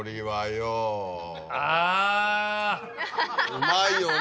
うまいよね。